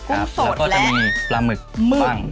แล้วก็จะมีปลาหมึกบ้าง